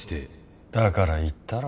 だから言ったろ。